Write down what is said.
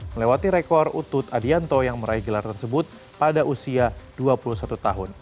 melewati rekor utut adianto yang meraih gelar tersebut pada usia dua puluh satu tahun